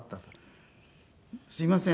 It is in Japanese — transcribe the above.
「すいません。